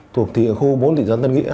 thuộc khu bốn thị trấn tân nghĩa